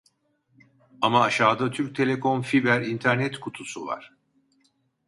Ama aşağıda Türk Telekom fiber internet kutusu var